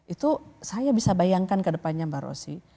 itu saya bisa bayangkan ke depannya mbak rosy